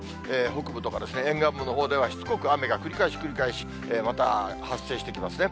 北部とか沿岸部のほうではしつこく雨が繰り返し繰り返し、また発生してきますね。